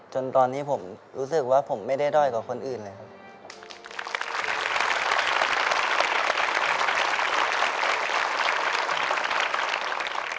จนตอนนี้ผมรู้สึกว่าผมไม่ได้ด้อยกว่าคนอื่นเลยครับ